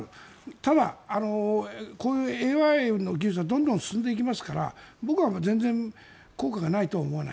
ただ、こういうＡＩの技術はどんどん進んでいきますから僕は全然、効果がないとは思わない。